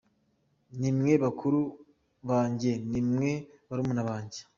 Ni mwe bakuru banjye, ni mwe barumuna banjye.